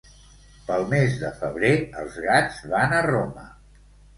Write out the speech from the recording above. Pel mes de febrer els gats van a Roma.